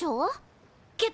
けっ